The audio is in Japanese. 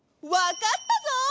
わかったぞ！